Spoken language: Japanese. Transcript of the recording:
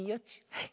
はい。